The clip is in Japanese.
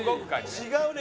違うね